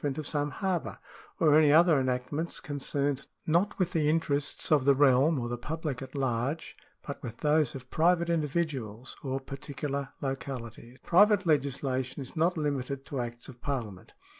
ment of some harbour, or any other enactments concerned, > not with the interests of the realm or the public at large, fi, but with those of private individuals or particular localities.^ f» Private legislation is not limited to acts of Parliament.